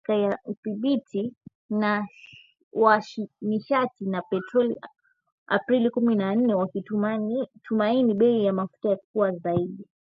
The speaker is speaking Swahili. inayofanywa na Mamlaka ya Udhibiti wa Nishati na Petroli Aprili kumi na nne wakitumaini bei ya mafuta kuwa juu zaidi